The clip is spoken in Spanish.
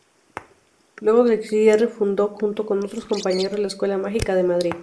Luego del cierre fundó, junto con otros compañeros, la Escuela Mágica de Madrid.